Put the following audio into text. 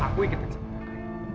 aku ingetin sama kakak ya